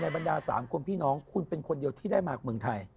บรรดา๓คนพี่น้องคุณเป็นคนเดียวที่ได้มาเมืองไทย